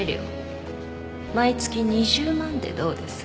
毎月２０万でどうです？